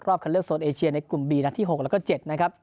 คันเลือกโซนเอเชียในกลุ่มบีนัดที่๖แล้วก็๗นะครับ